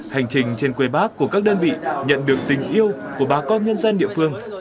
hành trình trên quê bác của các đơn vị nhận được tình yêu của bà con nhân dân địa phương